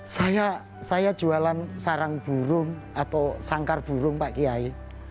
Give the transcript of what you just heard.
saya jualan sarang burung atau sangkar burung pak kiai